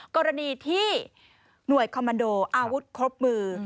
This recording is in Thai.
กรณีที่หน่วยคอมมันโดอาวุธครบมือ